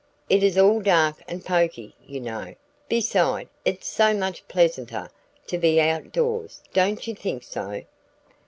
It is all dark and poky, you know. Beside, it's so much pleasanter to be out doors. Don't you think so?"